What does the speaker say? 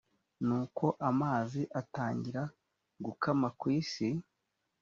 nuko amazi atangira gukama ku isi